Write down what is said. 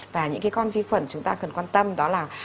và những con vi khuẩn chúng ta cần quan tâm đó là